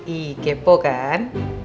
ih kepo kan